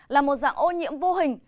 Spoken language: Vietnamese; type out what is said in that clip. là một dạng ô nhiễm vô hình